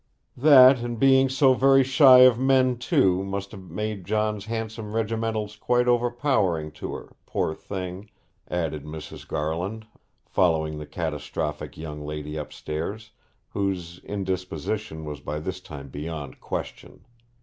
'That, and being so very shy of men, too, must have made John's handsome regimentals quite overpowering to her, poor thing,' added Mrs. Garland, following the catastrophic young lady upstairs, whose indisposition was this time beyond question.